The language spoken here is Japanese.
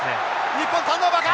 日本ターンオーバーか？